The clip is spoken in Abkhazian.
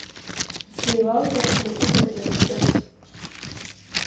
Сеилалгарц даҿуп абри аԥҳәыс!